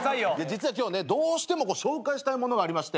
実は今日ねどうしても紹介したい物がありまして。